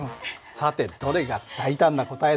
さてどれが大胆な答えなのか。